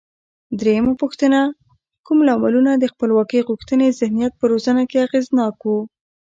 درېمه پوښتنه: کوم لاملونه د خپلواکۍ غوښتنې ذهنیت په روزنه کې اغېزناک و؟